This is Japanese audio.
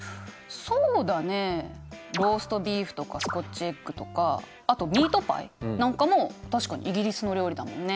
そうだねローストビーフとかスコッチエッグとかあとミートパイなんかも確かにイギリスの料理だもんね。